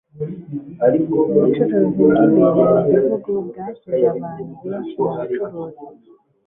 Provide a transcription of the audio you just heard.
Ubucuruzi bwimbere mu gihugu bwashyize abantu benshi mubucuruzi